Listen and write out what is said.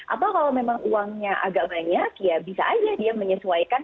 apa kalau memang uangnya agak banyak ya bisa aja dia menyesuaikan